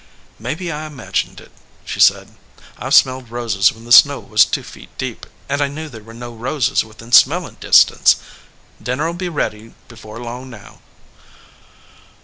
"Maybe I imagined it," she said. 122 THE FLOWERING BUSH "I ve smelled roses when the snow was two feet deep, and I knew there were no roses within smell ing distance. Dinner 11 be ready before long now."